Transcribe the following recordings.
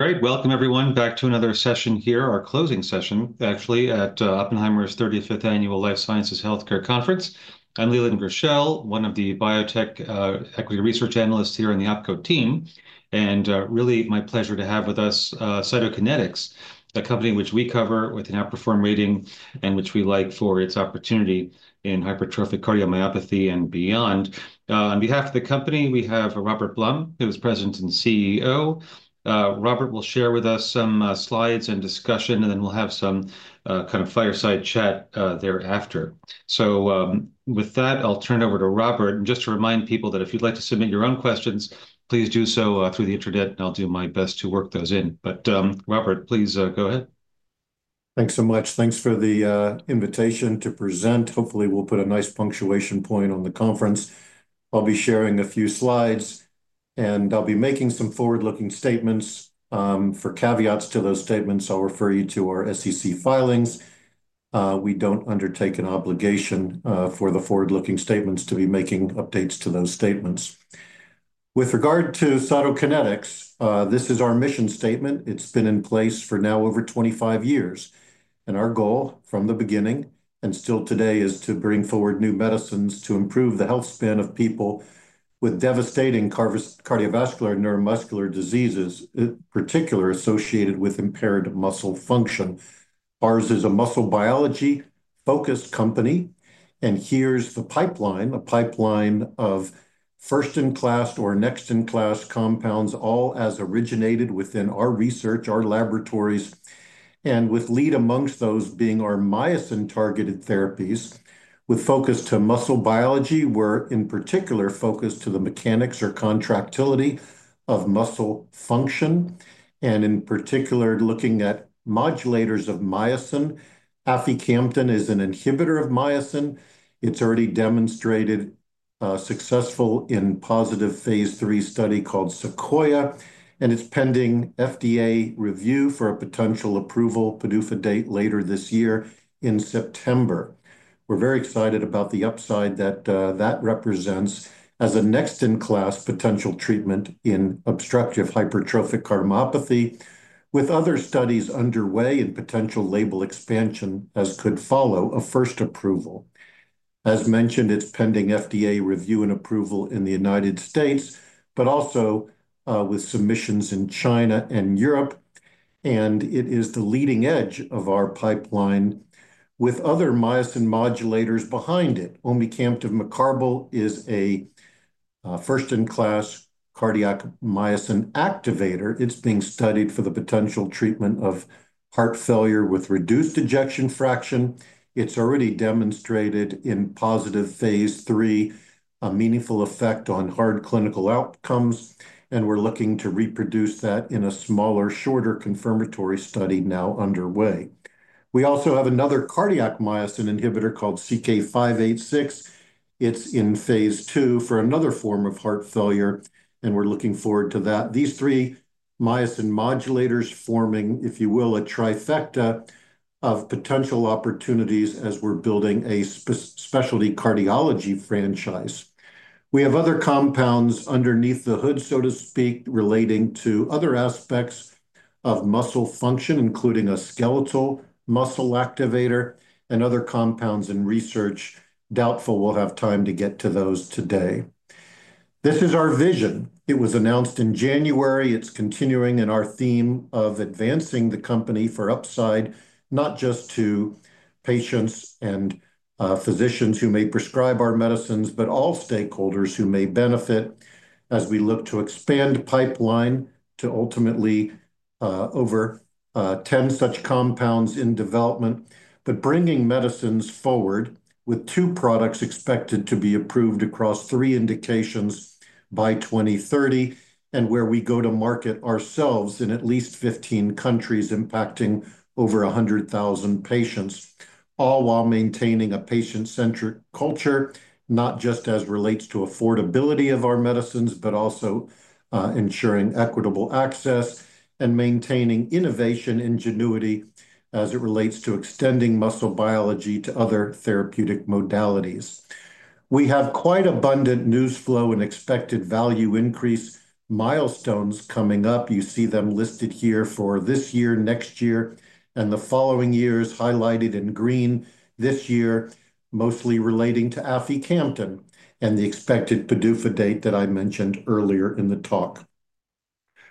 Great. Welcome, everyone, back to another session here, our closing session, actually, at Oppenheimer's 35th Annual Life Sciences Healthcare Conference. I'm Leland Gershell, one of the biotech equity research analysts here on the Opco team. And really, my pleasure to have with us Cytokinetics, a company which we cover with an outperform rating and which we like for its opportunity in hypertrophic cardiomyopathy and beyond. On behalf of the company, we have Robert Blum, who is President and CEO. Robert will share with us some slides and discussion, and then we'll have some kind of fireside chat thereafter. So with that, I'll turn it over to Robert. And just to remind people that if you'd like to submit your own questions, please do so through the internet, and I'll do my best to work those in. But Robert, please go ahead. Thanks so much. Thanks for the invitation to present. Hopefully, we'll put a nice punctuation point on the conference. I'll be sharing a few slides, and I'll be making some forward-looking statements. For caveats to those statements, I'll refer you to our SEC filings. We don't undertake an obligation for the forward-looking statements to be making updates to those statements. With regard to Cytokinetics, this is our mission statement. It's been in place for now over 25 years, and our goal from the beginning, and still today, is to bring forward new medicines to improve the health span of people with devastating cardiovascular and neuromuscular diseases, in particular associated with impaired muscle function. Ours is a muscle biology-focused company, and here's the pipeline, a pipeline of first-in-class or next-in-class compounds, all as originated within our research, our laboratories, and with lead amongst those being our myosin-targeted therapies. With focus to muscle biology, we're in particular focused on the mechanics or contractility of muscle function, and in particular looking at modulators of myosin. Aficamten is an inhibitor of myosin. It's already demonstrated successful in a positive Phase III study called SEQUOIA-HCM, and it's pending FDA review for a potential approval, PDUFA date, later this year in September. We're very excited about the upside that that represents as a next-in-class potential treatment in obstructive hypertrophic cardiomyopathy, with other studies underway and potential label expansion as could follow a first approval. As mentioned, it's pending FDA review and approval in the United States, but also with submissions in China and Europe. It is the leading edge of our pipeline with other myosin modulators behind it. Omecamtiv mecarbil is a first-in-class cardiac myosin activator. It's being studied for the potential treatment of heart failure with reduced ejection fraction. It's already demonstrated in positive Phase III a meaningful effect on hard clinical outcomes, and we're looking to reproduce that in a smaller, shorter confirmatory study now underway. We also have another cardiac myosin inhibitor called CK-586. It's in Phase II for another form of heart failure, and we're looking forward to that. These three myosin modulators forming, if you will, a trifecta of potential opportunities as we're building a specialty cardiology franchise. We have other compounds underneath the hood, so to speak, relating to other aspects of muscle function, including a skeletal muscle activator and other compounds in research. Doubtful we'll have time to get to those today. This is our vision. It was announced in January. It's continuing in our theme of advancing the company for upside, not just to patients and physicians who may prescribe our medicines, but all stakeholders who may benefit as we look to expand pipeline to ultimately over 10 such compounds in development, but bringing medicines forward with two products expected to be approved across three indications by 2030, and where we go to market ourselves in at least 15 countries impacting over 100,000 patients, all while maintaining a patient-centric culture, not just as relates to affordability of our medicines, but also ensuring equitable access and maintaining innovation ingenuity as it relates to extending muscle biology to other therapeutic modalities. We have quite abundant news flow and expected value increase milestones coming up. You see them listed here for this year, next year, and the following years highlighted in green. This year, mostly relating to aficamten and the expected PDUFA date that I mentioned earlier in the talk.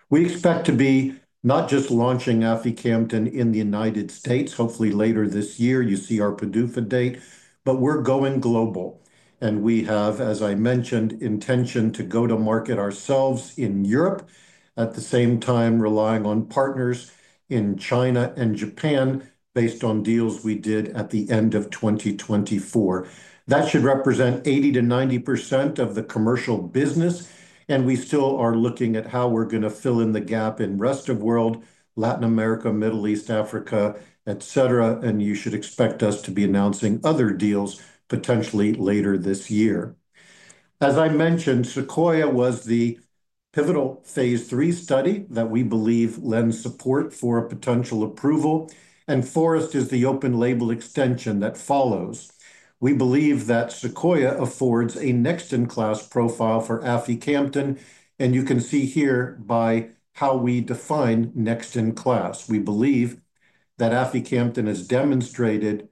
We expect to be not just launching aficamten in the United States, hopefully later this year. You see our PDUFA date, but we're going global, and we have, as I mentioned, intention to go to market ourselves in Europe, at the same time relying on partners in China and Japan based on deals we did at the end of 2024. That should represent 80%-90% of the commercial business, and we still are looking at how we're going to fill in the gap in rest of world, Latin America, Middle East, Africa, et cetera, and you should expect us to be announcing other deals potentially later this year. As I mentioned, SEQUOIA-HCM was the pivotal Phase III study that we believe lends support for a potential approval, and FOREST-HCM is the open label extension that follows. We believe that SEQUOIA-HCM affords a next-in-class profile for aficamten, and you can see here by how we define next-in-class. We believe that aficamten has demonstrated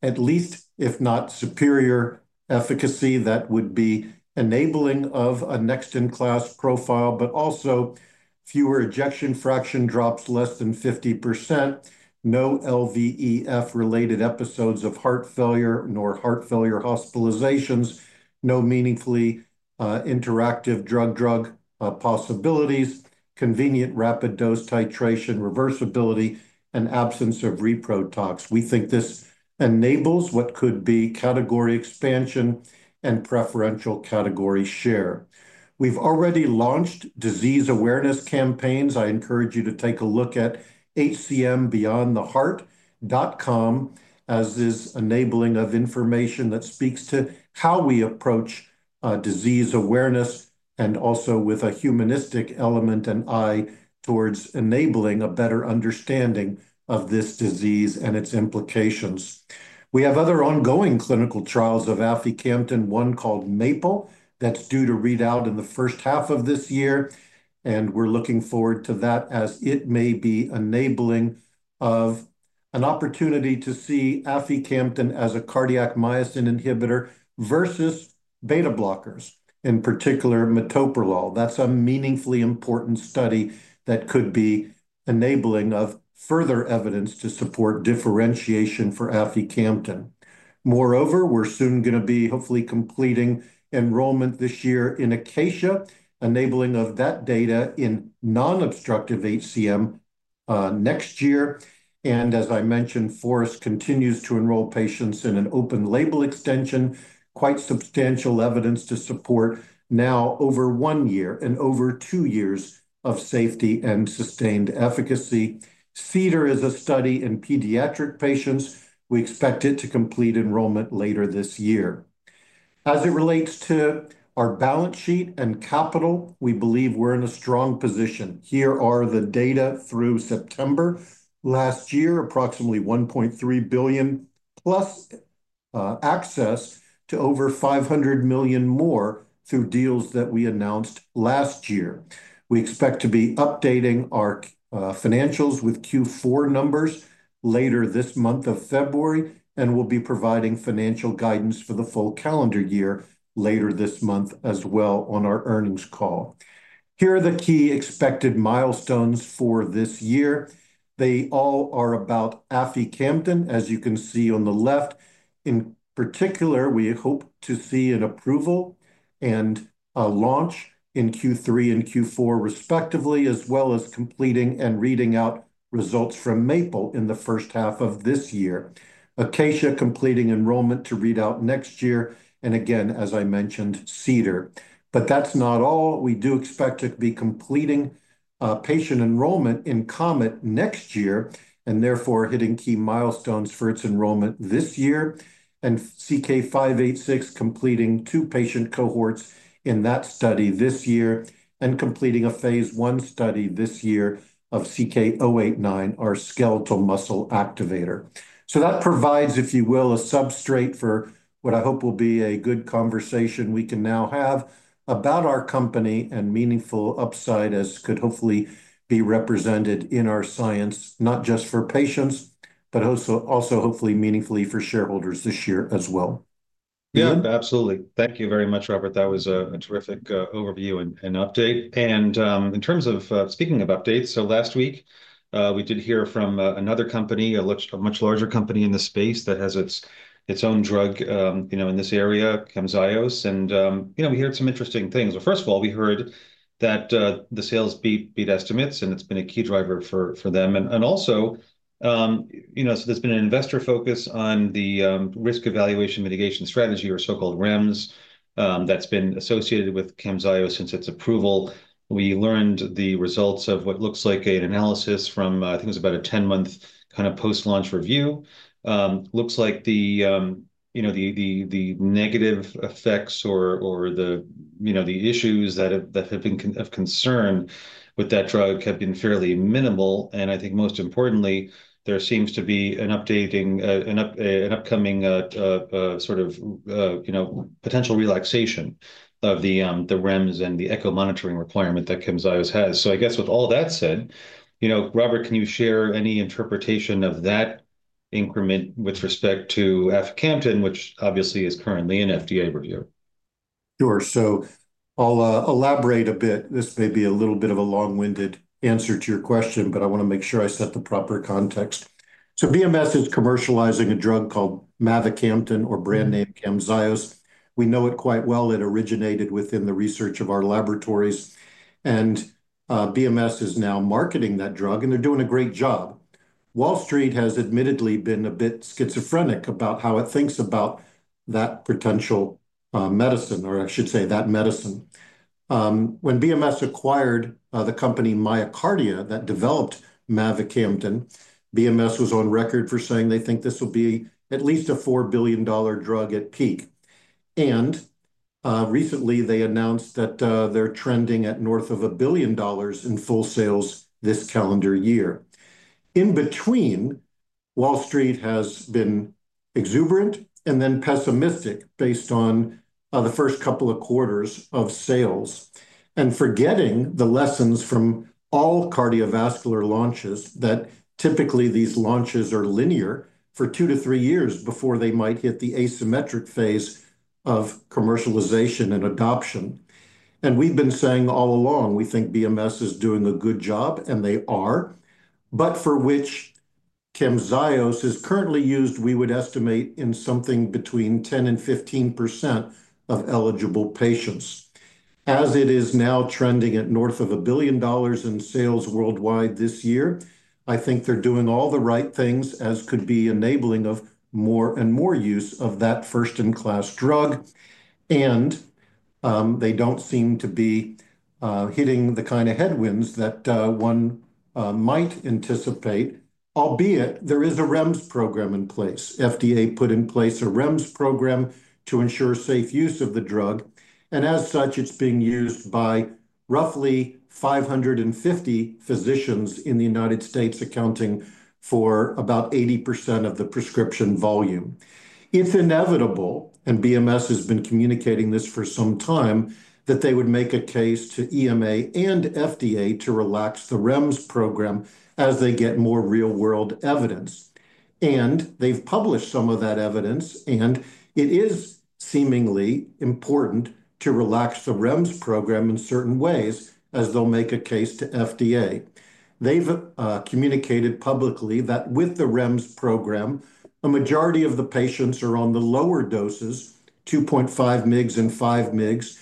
at least, if not superior efficacy that would be enabling of a next-in-class profile, but also fewer ejection fraction drops less than 50%, no LVEF-related episodes of heart failure nor heart failure hospitalizations, no meaningfully interactive drug-drug possibilities, convenient rapid dose titration reversibility, and absence of reprotox. We think this enables what could be category expansion and preferential category share. We've already launched disease awareness campaigns. I encourage you to take a look at hcmbeyondtheheart.com, as is enabling of information that speaks to how we approach disease awareness and also with a humanistic element and eye towards enabling a better understanding of this disease and its implications. We have other ongoing clinical trials of aficamten, one called MAPLE-HCM that's due to read out in the first half of this year, and we're looking forward to that as it may be enabling of an opportunity to see aficamten as a cardiac myosin inhibitor versus beta-blockers, in particular metoprolol. That's a meaningfully important study that could be enabling of further evidence to support differentiation for aficamten. Moreover, we're soon going to be hopefully completing enrollment this year in ACACIA-HCM, enabling of that data in non-obstructive HCM next year. As I mentioned, FOREST-HCM continues to enroll patients in an open label extension, quite substantial evidence to support now over one year and over two years of safety and sustained efficacy. CEDAR-HCM is a study in pediatric patients. We expect it to complete enrollment later this year. As it relates to our balance sheet and capital, we believe we're in a strong position. Here are the data through September last year, approximately $1.3 billion plus access to over $500 million more through deals that we announced last year. We expect to be updating our financials with Q4 numbers later this month of February, and we'll be providing financial guidance for the full calendar year later this month as well on our earnings call. Here are the key expected milestones for this year. They all are about aficamten, as you can see on the left. In particular, we hope to see an approval and a launch in Q3 and Q4 respectively, as well as completing and reading out results from MAPLE-HCM in the first half of this year. ACACIA-HCM completing enrollment to read out next year, and again, as I mentioned, CEDAR-HCM. But that's not all. We do expect to be completing patient enrollment in COMET-HF next year and therefore hitting key milestones for its enrollment this year, and CK-586 completing two patient cohorts in that study this year and completing a Phase I study this year of CK-089, our skeletal muscle activator. So that provides, if you will, a substrate for what I hope will be a good conversation we can now have about our company and meaningful upside as could hopefully be represented in our science, not just for patients, but also hopefully meaningfully for shareholders this year as well. Yeah, absolutely. Thank you very much, Robert. That was a terrific overview and update. In terms of speaking of updates, last week we did hear from another company, a much larger company in the space that has its own drug in this area, Camzyos. We heard some interesting things. First of all, we heard that the sales beat estimates, and it's been a key driver for them. Also, there's been an investor focus on the risk evaluation mitigation strategy, or so-called REMS, that's been associated with Camzyos since its approval. We learned the results of what looks like an analysis from, I think it was about a 10-month kind of post-launch review. Looks like the negative effects or the issues that have been of concern with that drug have been fairly minimal. I think most importantly, there seems to be an updating, an upcoming sort of potential relaxation of the REMS and the echo monitoring requirement that Camzyos has. So I guess with all that said, Robert, can you share any interpretation of that increment with respect to aficamten, which obviously is currently in FDA review? Sure. So I'll elaborate a bit. This may be a little bit of a long-winded answer to your question, but I want to make sure I set the proper context. So BMS is commercializing a drug called mavacamten or brand name Camzyos. We know it quite well. It originated within the research of our laboratories, and BMS is now marketing that drug, and they're doing a great job. Wall Street has admittedly been a bit schizophrenic about how it thinks about that potential medicine, or I should say that medicine. When BMS acquired the company MyoKardia that developed mavacamten, BMS was on record for saying they think this will be at least a $4 billion drug at peak. And recently, they announced that they're trending at north of $1 billion in full sales this calendar year. In between, Wall Street has been exuberant and then pessimistic based on the first couple of quarters of sales and forgetting the lessons from all cardiovascular launches that typically these launches are linear for two to three years before they might hit the asymmetric phase of commercialization and adoption. We've been saying all along, we think BMS is doing a good job, and they are, but for which Camzyos is currently used, we would estimate in something between 10%-15% of eligible patients. As it is now trending at north of $1 billion in sales worldwide this year, I think they're doing all the right things, as could be enabling of more and more use of that first-in-class drug. They don't seem to be hitting the kind of headwinds that one might anticipate, albeit there is a REMS program in place. FDA put in place a REMS program to ensure safe use of the drug. And as such, it's being used by roughly 550 physicians in the United States, accounting for about 80% of the prescription volume. It's inevitable, and BMS has been communicating this for some time, that they would make a case to EMA and FDA to relax the REMS program as they get more real-world evidence. And they've published some of that evidence, and it is seemingly important to relax the REMS program in certain ways as they'll make a case to FDA. They've communicated publicly that with the REMS program, a majority of the patients are on the lower doses, 2.5 mg and 5 mg,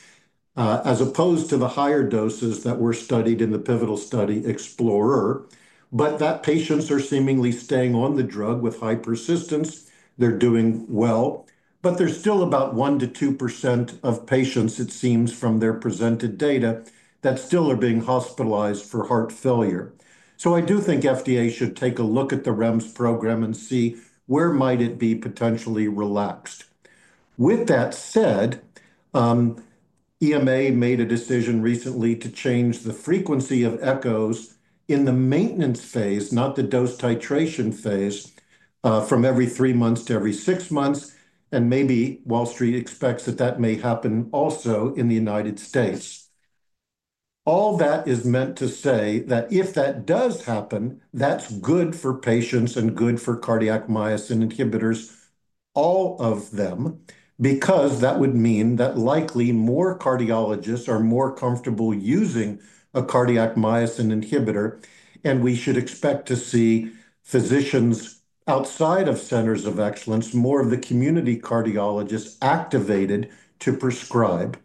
as opposed to the higher doses that were studied in the pivotal study EXPLORER-HCM. But that patients are seemingly staying on the drug with high persistence. They're doing well, but there's still about 1%-2% of patients, it seems from their presented data, that still are being hospitalized for heart failure. So I do think FDA should take a look at the REMS program and see where might it be potentially relaxed. With that said, EMA made a decision recently to change the frequency of echoes in the maintenance phase, not the dose titration phase, from every three months to every six months. And maybe Wall Street expects that that may happen also in the United States. All that is meant to say that if that does happen, that's good for patients and good for cardiac myosin inhibitors, all of them, because that would mean that likely more cardiologists are more comfortable using a cardiac myosin inhibitor, and we should expect to see physicians outside of centers of excellence, more of the community cardiologists activated to prescribe.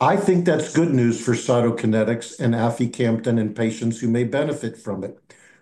I think that's good news for Cytokinetics and aficamten and patients who may benefit from it.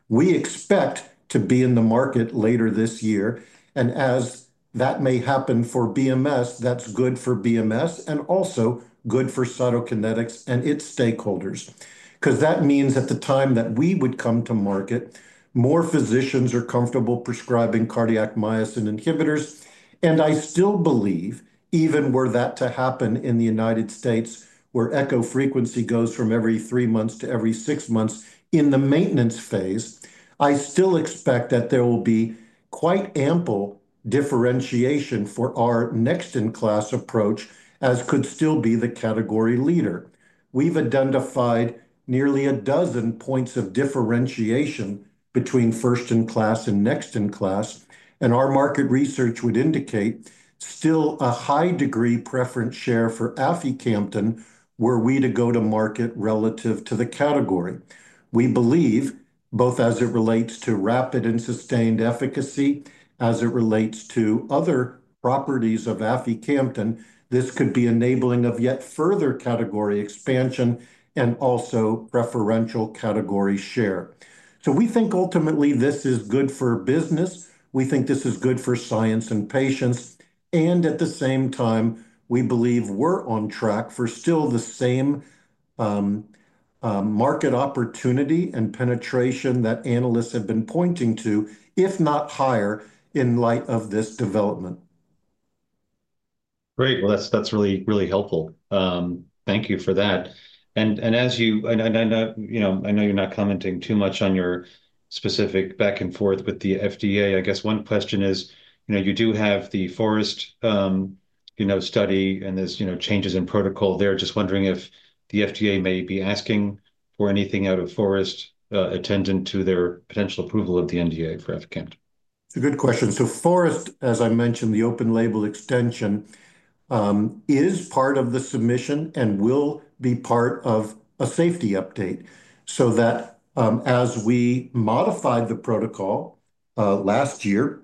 We expect to be in the market later this year. As that may happen for BMS, that's good for BMS and also good for Cytokinetics and its stakeholders, because that means at the time that we would come to market, more physicians are comfortable prescribing cardiac myosin inhibitors. And I still believe, even were that to happen in the United States, where echo frequency goes from every three months to every six months in the maintenance phase, I still expect that there will be quite ample differentiation for our next-in-class approach, as could still be the category leader. We've identified nearly a dozen points of differentiation between first-in-class and next-in-class. And our market research would indicate still a high degree preference share for aficamten, were we to go to market relative to the category. We believe, both as it relates to rapid and sustained efficacy, as it relates to other properties of aficamten, this could be enabling of yet further category expansion and also preferential category share. So we think ultimately this is good for business. We think this is good for science and patients. At the same time, we believe we're on track for still the same market opportunity and penetration that analysts have been pointing to, if not higher, in light of this development. Great. That's really, really helpful. Thank you for that. As you know, I know you're not commenting too much on your specific back and forth with the FDA. I guess one question is, you do have the FOREST-HCM study and there's changes in protocol there. Just wondering if the FDA may be asking for anything out of FOREST-HCM attendant to their potential approval of the NDA for aficamten. It's a good question. So FOREST-HCM, as I mentioned, the open-label extension is part of the submission and will be part of a safety update so that as we modified the protocol last year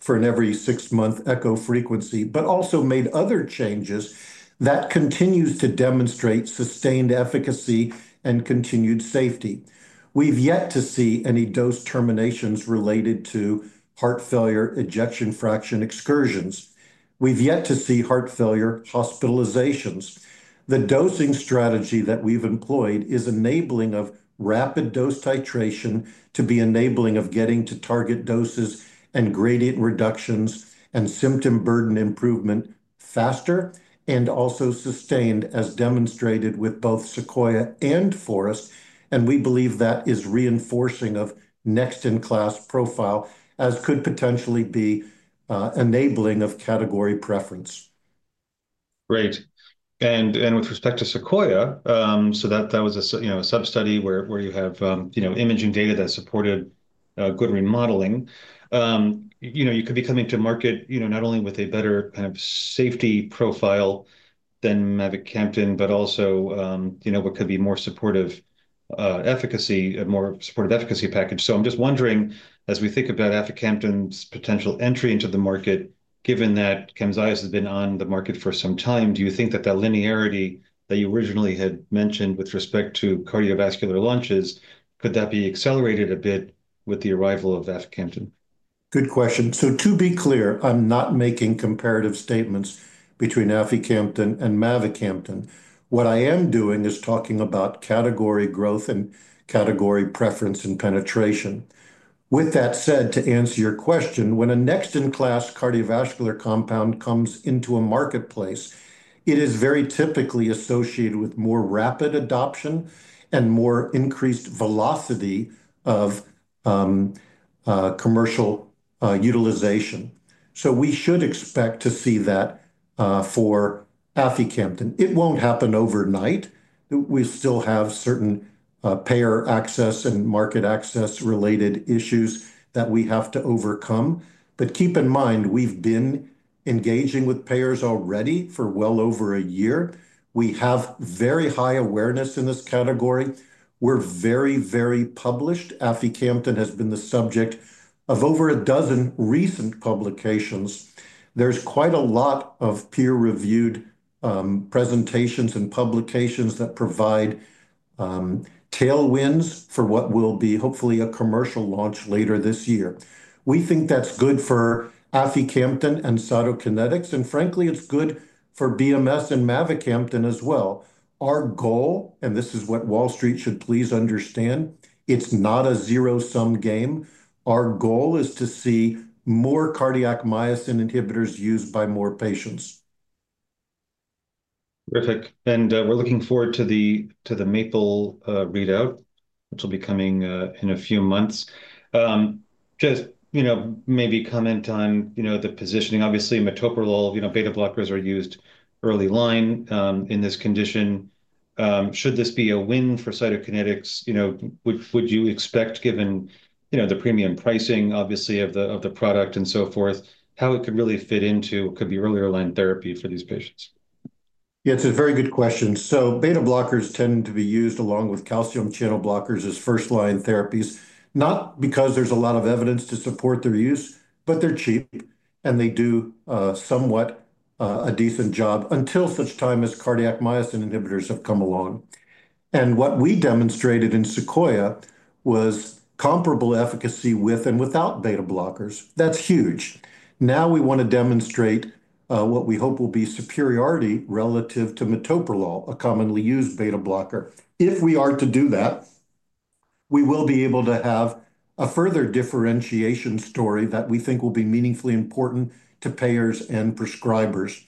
for an every six-month echo frequency, but also made other changes, that continues to demonstrate sustained efficacy and continued safety. We've yet to see any dose terminations related to heart failure, ejection fraction, excursions. We've yet to see heart failure hospitalizations. The dosing strategy that we've employed is enabling of rapid dose titration to be enabling of getting to target doses and gradient reductions and symptom burden improvement faster and also sustained, as demonstrated with both SEQUOIA-HCM and FOREST-HCM. And we believe that is reinforcing of next-in-class profile, as could potentially be enabling of category preference. Great. And with respect to SEQUOIA-HCM, so that was a sub-study where you have imaging data that supported good remodeling. You could be coming to market not only with a better kind of safety profile than mavacamten, but also what could be more supportive efficacy, a more supportive efficacy package. So I'm just wondering, as we think about aficamten's potential entry into the market, given that Camzyos has been on the market for some time, do you think that that linearity that you originally had mentioned with respect to cardiovascular launches, could that be accelerated a bit with the arrival of aficamten? Good question. So to be clear, I'm not making comparative statements between aficamten and mavacamten. What I am doing is talking about category growth and category preference and penetration. With that said, to answer your question, when a next-in-class cardiovascular compound comes into a marketplace, it is very typically associated with more rapid adoption and more increased velocity of commercial utilization. So we should expect to see that for aficamten. It won't happen overnight. We still have certain payer access and market access related issues that we have to overcome. But keep in mind, we've been engaging with payers already for well over a year. We have very high awareness in this category. We're very, very published. Aficamten has been the subject of over a dozen recent publications. There's quite a lot of peer-reviewed presentations and publications that provide tailwinds for what will be hopefully a commercial launch later this year. We think that's good for aficamten and Cytokinetics. And frankly, it's good for BMS and mavacamten as well. Our goal, and this is what Wall Street should please understand, it's not a zero-sum game. Our goal is to see more cardiac myosin inhibitors used by more patients. Terrific. And we're looking forward to the MAPLE-HCM readout, which will be coming in a few months. Just maybe comment on the positioning. Obviously, metoprolol, beta blockers are used early line in this condition. Should this be a win for Cytokinetics? Would you expect, given the premium pricing, obviously, of the product and so forth, how it could really fit into what could be earlier line therapy for these patients? Yeah, it's a very good question. So beta blockers tend to be used along with calcium channel blockers as first-line therapies, not because there's a lot of evidence to support their use, but they're cheap and they do somewhat a decent job until such time as cardiac myosin inhibitors have come along. And what we demonstrated in SEQUOIA-HCM was comparable efficacy with and without beta blockers. That's huge. Now we want to demonstrate what we hope will be superiority relative to metoprolol, a commonly used beta blocker. If we are to do that, we will be able to have a further differentiation story that we think will be meaningfully important to payers and prescribers.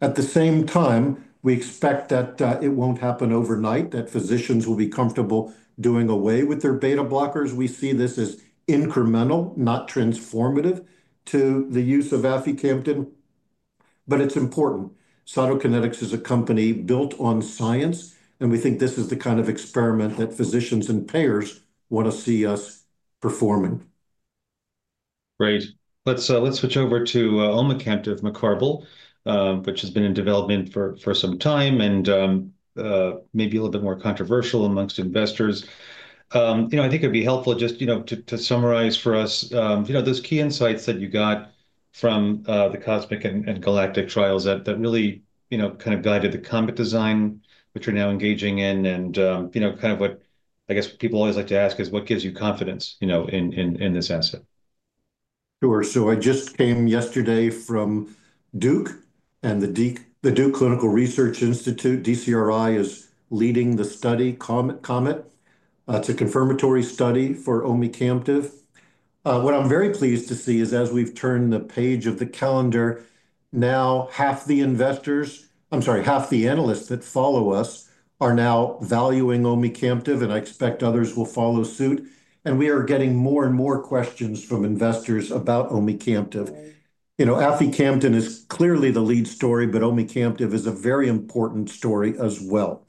At the same time, we expect that it won't happen overnight, that physicians will be comfortable doing away with their beta blockers. We see this as incremental, not transformative to the use of aficamten, but it's important. Cytokinetics is a company built on science, and we think this is the kind of experiment that physicians and payers want to see us performing. Great. Let's switch over to omecamtiv mecarbil, which has been in development for some time and maybe a little bit more controversial among investors. I think it'd be helpful just to summarize for us those key insights that you got from the COSMIC and GALACTIC trials that really kind of guided the COMET-HF design, which you're now engaging in. And kind of what I guess people always like to ask is, what gives you confidence in this asset? Sure. So I just came yesterday from Duke and the Duke Clinical Research Institute. DCRI is leading the study, COMET-HF, the confirmatory study for omecamtiv mecarbil. What I'm very pleased to see is, as we've turned the page of the calendar, now half the investors--I'm sorry, half the analysts that follow us--are now valuing omecamtiv mecarbil, and I expect others will follow suit, and we are getting more and more questions from investors about omecamtiv mecarbil. Aficamten is clearly the lead story, but omecamtiv mecarbil is a very important story as well.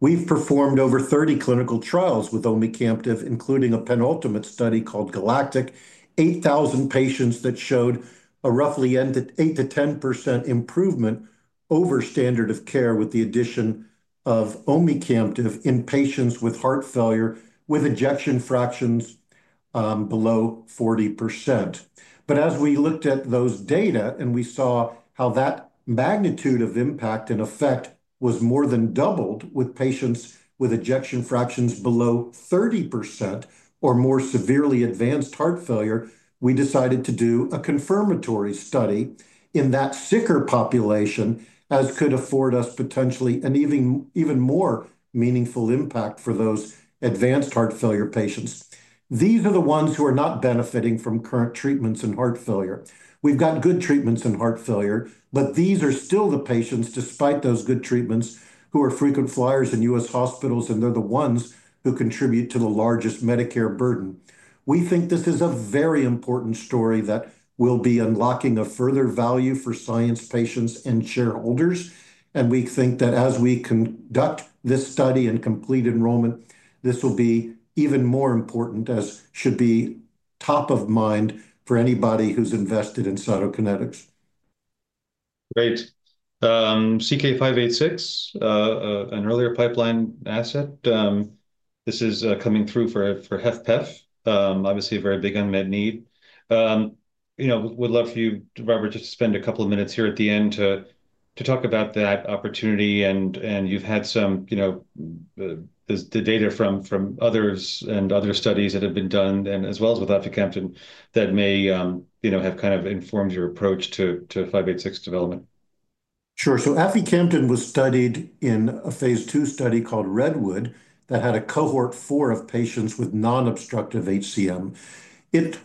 We've performed over 30 clinical trials with omecamtiv mecarbil, including a penultimate study called GALACTIC, 8,000 patients that showed a roughly 8%-10% improvement over standard of care with the addition of omecamtiv mecarbil in patients with heart failure with ejection fractions below 40%. But as we looked at those data and we saw how that magnitude of impact and effect was more than doubled with patients with ejection fractions below 30% or more severely advanced heart failure, we decided to do a confirmatory study in that sicker population as could afford us potentially an even more meaningful impact for those advanced heart failure patients. These are the ones who are not benefiting from current treatments in heart failure. We've got good treatments in heart failure, but these are still the patients, despite those good treatments, who are frequent flyers in U.S. hospitals, and they're the ones who contribute to the largest Medicare burden. We think this is a very important story that will be unlocking a further value for HF patients and shareholders. We think that as we conduct this study and complete enrollment, this will be even more important, as should be top of mind for anybody who's invested in Cytokinetics. Great. CK-586, an earlier pipeline asset. This is coming through for HFpEF, obviously a very big unmet need. Would love for you, Robert, just to spend a couple of minutes here at the end to talk about that opportunity. And you've had some data from others and other studies that have been done, and as well as with aficamten, that may have kind of informed your approach to 586 development. Sure. So aficamten was studied in a Phase II study called Redwood that had a cohort four of patients with non-obstructive HCM. It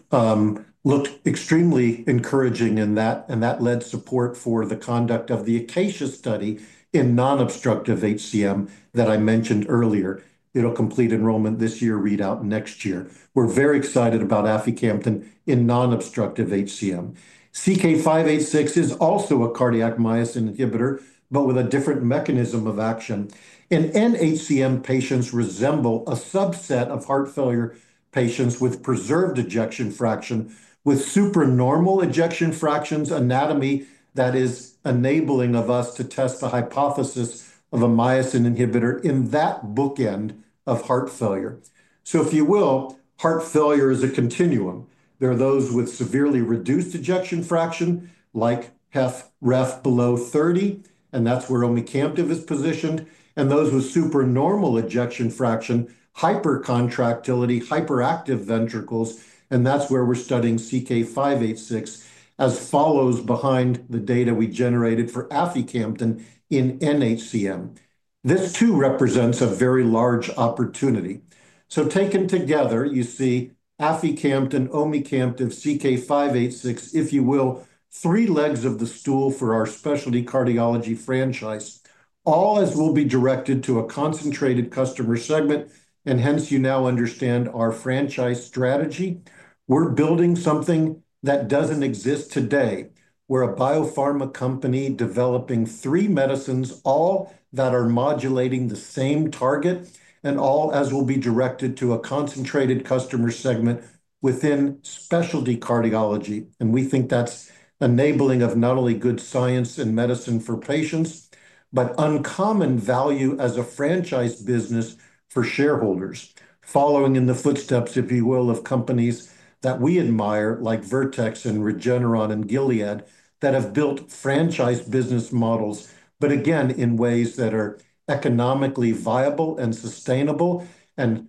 looked extremely encouraging in that, and that led support for the conduct of the ACACIA-HCM study in non-obstructive HCM that I mentioned earlier. It will complete enrollment this year, readout next year. We are very excited about aficamten in non-obstructive HCM. CK-586 is also a cardiac myosin inhibitor, but with a different mechanism of action. And nHCM patients resemble a subset of heart failure patients with preserved ejection fraction, with supernormal ejection fractions anatomy that is enabling of us to test the hypothesis of a myosin inhibitor in that bookend of heart failure. So if you will, heart failure is a continuum. There are those with severely reduced ejection fraction, like HFrEF below 30, and that is where omecamtiv mecarbil is positioned. And those with supernormal ejection fraction, hypercontractility, hyperactive ventricles, and that's where we're studying CK-586 as follows behind the data we generated for aficamten in nHCM. This too represents a very large opportunity. So taken together, you see aficamten, omecamtiv mecarbil, CK-586, if you will, three legs of the stool for our specialty cardiology franchise, all as will be directed to a concentrated customer segment. And hence, you now understand our franchise strategy. We're building something that doesn't exist today. We're a biopharma company developing three medicines, all that are modulating the same target, and all as will be directed to a concentrated customer segment within specialty cardiology. And we think that's enabling of not only good science and medicine for patients, but uncommon value as a franchise business for shareholders, following in the footsteps, if you will, of companies that we admire, like Vertex, Regeneron, and Gilead, that have built franchise business models, but again, in ways that are economically viable and sustainable and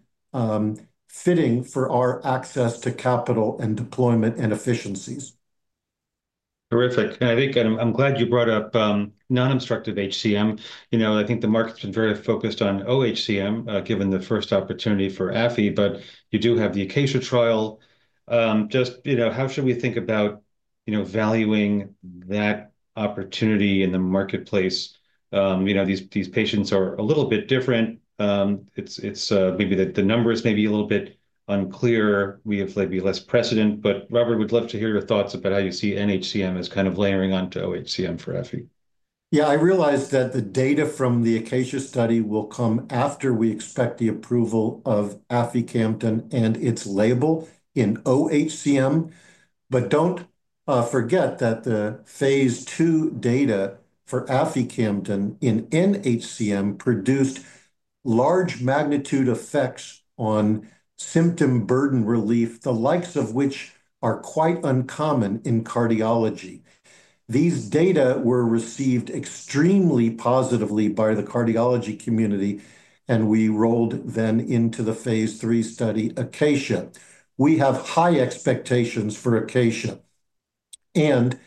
fitting for our access to capital and deployment and efficiencies. Terrific. And I think I'm glad you brought up non-obstructive HCM. I think the market's been very focused on OHCM, given the first opportunity for AFI, but you do have the ACACIA-HCM trial. Just how should we think about valuing that opportunity in the marketplace? These patients are a little bit different. Maybe the number is maybe a little bit unclear. We have maybe less precedent. But Robert, we'd love to hear your thoughts about how you see NHCM as kind of layering onto OHCM for AFI. Yeah, I realized that the data from the ACACIA-HCM study will come after we expect the approval of aficamten and its label in oHCM. But don't forget that the Phase II data for aficamten in nHCM produced large magnitude effects on symptom burden relief, the likes of which are quite uncommon in cardiology. These data were received extremely positively by the cardiology community, and we rolled them into the Phase III study, ACACIA-HCM. We have high expectations for ACACIA-HCM, and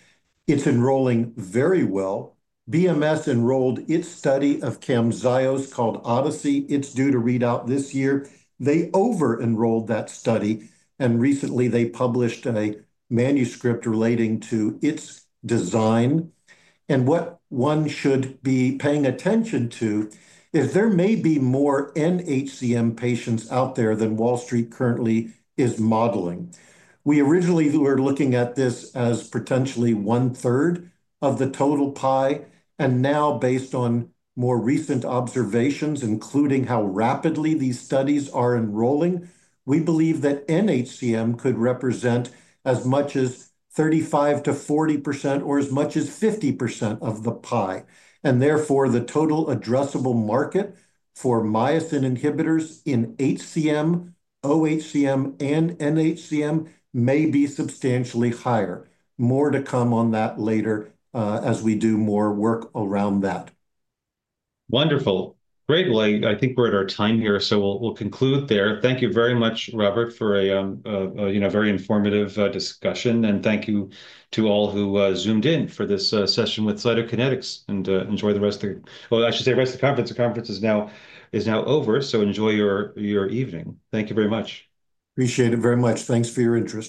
it's enrolling very well. BMS enrolled its study of Camzyos called ODYSSEY-HCM. It's due to readout this year. They over-enrolled that study, and recently they published a manuscript relating to its design, and what one should be paying attention to is there may be more nHCM patients out there than Wall Street currently is modeling. We originally were looking at this as potentially one third of the total pie. And now, based on more recent observations, including how rapidly these studies are enrolling, we believe that nHCM could represent as much as 35%-40% or as much as 50% of the pie. And therefore, the total addressable market for myosin inhibitors in HCM, oHCM, and nHCM may be substantially higher. More to come on that later as we do more work around that. Wonderful. Great. Well, I think we're at our time here, so we'll conclude there. Thank you very much, Robert, for a very informative discussion. And thank you to all who zoomed in for this session with Cytokinetics. And enjoy the rest of the, well, I should say the rest of the conference. The conference is now over, so enjoy your evening. Thank you very much. Appreciate it very much. Thanks for your interest.